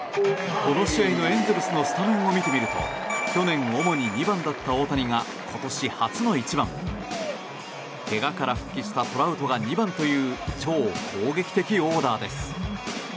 この試合のエンゼルスのスタメンを見てみると去年、主に２番だった大谷が今年初の１番。けがから復帰したトラウトが２番という超攻撃的オーダーです。